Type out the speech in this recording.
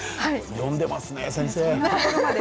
読んでますね、先生。